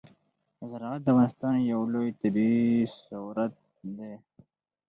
زراعت د افغانستان یو لوی طبعي ثروت دی.